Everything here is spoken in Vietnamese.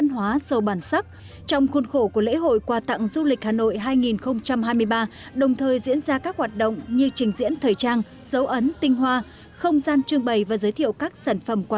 hoặc là những người bệnh dễ bị nhạy cảm